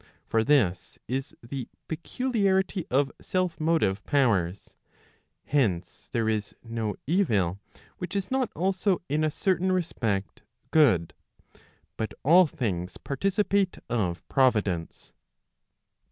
For this is the peculiarity of self motive powers. Hence there is no evil, which is not also in a certain respect good; but all things participate of providence.